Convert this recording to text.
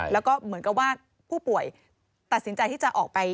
แล้วก็เหมือนกับว่าผู้ป่วยตัดสินใจที่จะออกไป